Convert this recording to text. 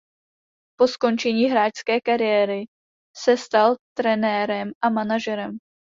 Po skončení hráčské kariéry se stal trenérem a manažerem.